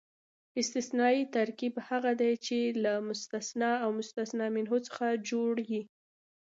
استثنایي ترکیب هغه دئ، چي له مستثنی او مستثنی منه څخه جوړ يي.